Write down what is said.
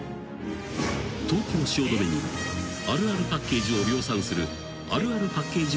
［東京汐留にあるあるパッケージを量産するあるあるパッケージ